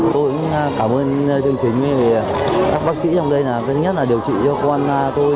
tôi cũng cảm ơn chương trình vì các bác sĩ trong đây nhất là điều trị cho con tôi